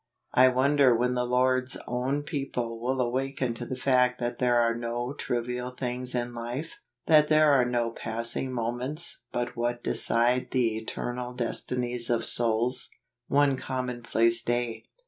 I wonder when the Lord's own peo¬ ple will awaken to the fact that there are no trivial things in life ? that there are no passing moments but what decide the eternal destinies of souls ? One Commonplace Day.